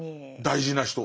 大事な人。